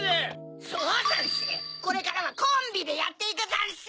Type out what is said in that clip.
そうざんすこれからはコンビでやっていくざんす！